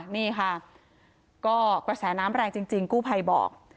นี่ค่ะก็กระแสน้ำแรงจริงกู้ภัยบอก